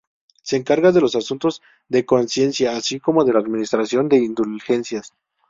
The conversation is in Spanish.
Se encarga de los asuntos de conciencia así como de la administración de indulgencias.